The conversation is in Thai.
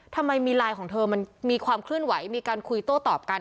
ทำไมมีไลน์ของเธอมันมีความเคลื่อนไหวมีการคุยโต้ตอบกัน